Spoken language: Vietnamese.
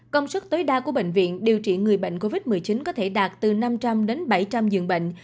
công suất tối đa của bệnh viện điều trị người bệnh covid một mươi chín có thể đạt từ năm trăm linh đến bảy trăm linh giường bệnh